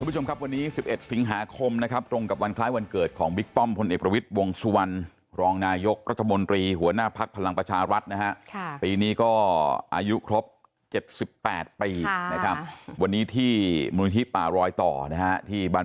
ทุกคุณผู้ชมครับวันนี้๑๑สิงหาคมนะครับ